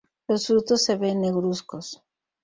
Los frutos se ven negruzcos.